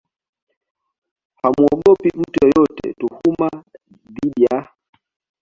hamuogopi mtu yeyote Tuhuma dhidi ya